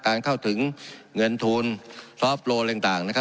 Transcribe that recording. การเข้าถึงเงินทูลซอฟต์โปร์ต่างนะครับ